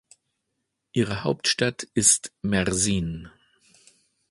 Ihre Hauptstadt ist Mersin.